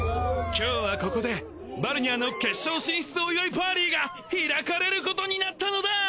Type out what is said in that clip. きょうはここでバルニャーの決勝進出お祝いパーリーが開かれることになったのだぁ！